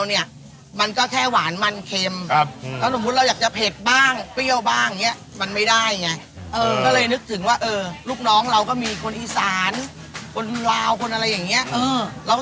เราก็คิดว่าเอ๊ะเราเห็นมันกินถูกไหมข้าวเหนียว